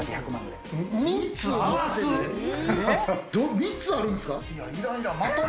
３つあるんですか？